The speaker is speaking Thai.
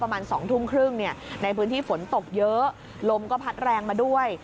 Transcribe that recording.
ประมาณ๒ทุ่มครึ่งในพื้นที่ฝนตกเยอะลมก็พัดแรงมาด้วย